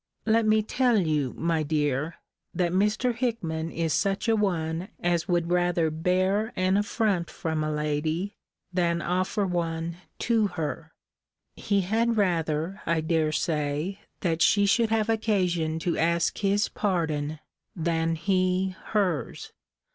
Let me tell you, my dear, that Mr. Hickman is such a one as would rather bear an affront from a lady, than offer one to her. He had rather, I dare say, that she should have occasion to ask his pardon than he her's.